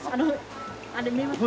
あれ見えます？